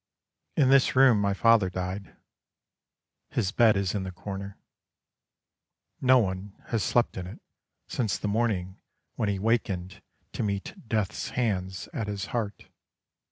In this room my father died: His bed is in the corner. No one has slept in it Since the morning when he wakened To meet death's hands at his heart.